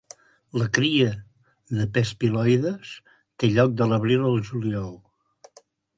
La cria de P. spiloides té lloc de l'abril al juliol.